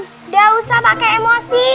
udah usah pakai emosi